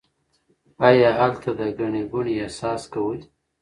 آیا هلته د ګڼې ګوڼې احساس کوئ؟